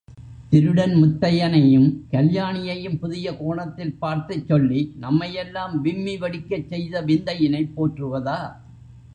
திருடன் முத்தையனையும் கல்யாணியையும் புதிய கோணத்தில் பார்த்துச் சொல்லி நம்மையெல்லாம் விம்மி வெடிக்கச் செய்த விந்தையினைப் போற்றுவதா?